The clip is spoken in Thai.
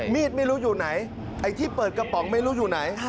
ไม่รู้อยู่ไหนไอ้ที่เปิดกระป๋องไม่รู้อยู่ไหน